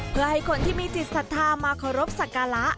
เพื่อให้คนที่มีจิตศรัทธามาเคารพสักการะ